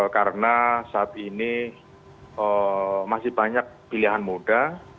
karena saat ini masih banyak pilihan moda